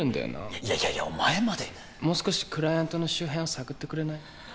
いやいやいやお前までもう少しクライアントの周辺を探ってくれない？